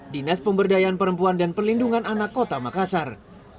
dinas pemberdayaan perempuan dan perlindungan anak kota makassar